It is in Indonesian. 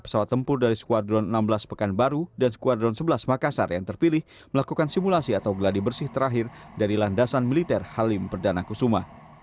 pesawat tempur dari skuadron enam belas pekanbaru dan skuadron sebelas makassar yang terpilih melakukan simulasi atau geladi bersih terakhir dari landasan militer halim perdana kusuma